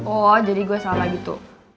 oh jadi gue salah gitu